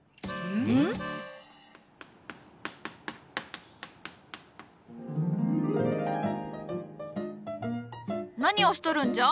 ん？何をしとるんじゃ？